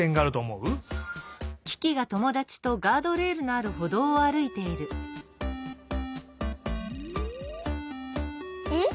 うん？